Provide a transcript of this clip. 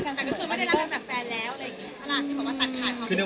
ก็คือไม่ได้รักกันแบบแฟนแล้วอะไรอย่างงี้